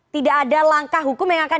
tidak ada langkah hukum yang akan